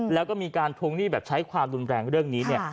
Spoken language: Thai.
แล้วก็มีการทวงหนี้แบบใช้ความรุนแรงเรื่องนี้เนี่ย